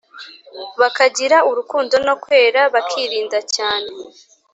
bakagira urukundo no kwera, bakirinda.cyane.